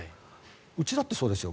うちだってそうですよ。